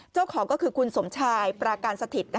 เจ้าของก็คือคุณสมชายปราการสถิต